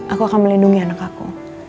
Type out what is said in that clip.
aku akan melindungi anak aku